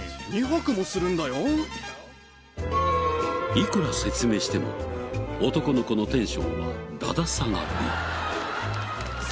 いくら説明しても男の子のテンションはだだ下がり。